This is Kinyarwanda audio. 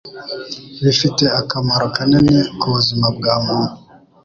bifite akamaro kanini ku buzima bwa muntu